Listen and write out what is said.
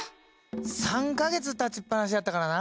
３か月立ちっぱなしやったからな。